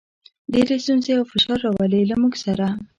ډېرې ستونزې او فشار راولي، له موږ سره.